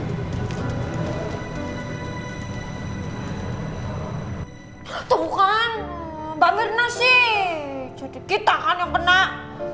tunggu kan mbak mirna sih jadi kita kan yang benar